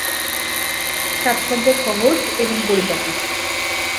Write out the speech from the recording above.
সাজসজ্জা সহজ এবং পরিপাটি।